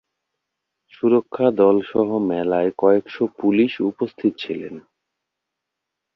সুরক্ষা দলসহ মেলায় কয়েকশো পুলিশ উপস্থিত ছিলেন।